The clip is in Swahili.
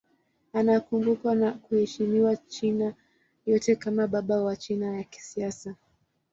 Anakumbukwa na kuheshimiwa China yote kama baba wa China ya kisasa.